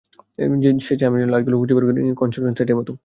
সে চায় আমরা যেন লাশগুলো খুঁজে বের করি কন্সট্রাকশন সাইটের মতো।